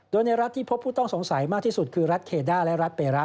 โดยในรัฐที่พบผู้ต้องสงสัยมากที่สุดคือรัฐเคด้าและรัฐเปราะ